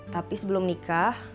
tapi sebelum nikah